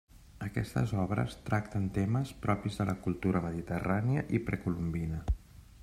Aquestes obres tracten temes propis de la cultura mediterrània i precolombina.